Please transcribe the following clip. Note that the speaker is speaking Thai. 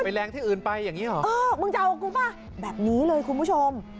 ไปแรงที่อื่นไปอย่างนี้หรอแบบนี้เลยคุณผู้ชม